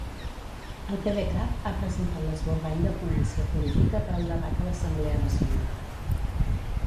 El PDeCAT ha presentat l'esborrany de ponència política per al debat a l'assemblea nacional.